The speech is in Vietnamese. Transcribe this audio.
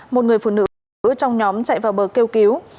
một người phụ nữ trong nhóm chạy vào bờ kêu cứu